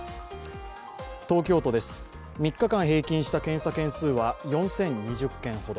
東京都です、３日間平均した検査件数は４０２０件ほど。